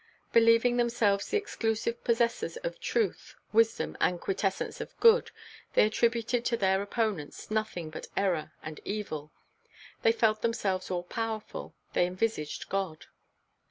Believing themselves the exclusive possessors of truth, wisdom, the quintessence of good, they attributed to their opponents nothing but error and evil. They felt themselves all powerful; they envisaged God.